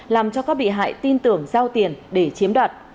làm cho các bị hại tin tưởng giao tiền để chiếm đoạt